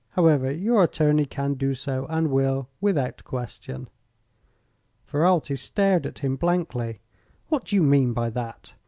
However, your attorney can do so, and will, without question." Ferralti stared at him blankly. "What do you mean by that?"